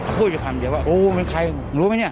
เพราะพูดกับค่ะทีเดียวว่าอุเป็นใครรู้ไม่เนี่ย